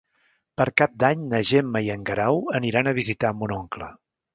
Per Cap d'Any na Gemma i en Guerau aniran a visitar mon oncle.